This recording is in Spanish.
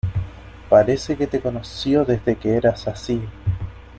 Parece que te conoció desde que eras así.